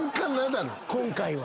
今回は。